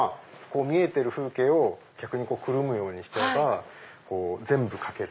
見えてる風景を逆にくるむようにすれば全部描ける。